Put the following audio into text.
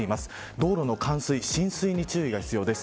道路の冠水、浸水に注意が必要です。